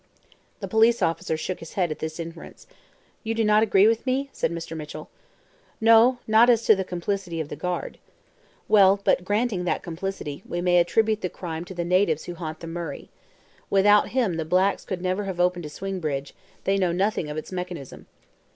The police officer shook his head at this inference. "You do not agree with me?" said Mr. Mitchell. "No, not as to the complicity of the guard." "Well, but granting that complicity, we may attribute the crime to the natives who haunt the Murray. Without him the blacks could never have opened a swing bridge; they know nothing of its mechanism."